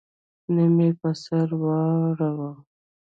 نيم يې په سر واړوه.